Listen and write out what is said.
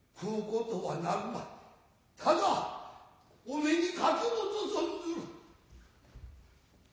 ただお目にかきょうと存ずる。